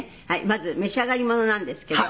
まず召し上がり物なんですけど。